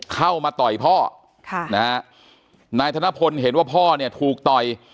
เข้ามาต่อยพ่อค่ะนะฮะนายธนพลเห็นว่าพ่อเนี่ยถูกต่อย